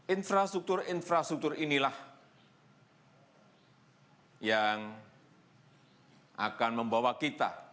infrastruktur infrastruktur inilah yang akan membawa kita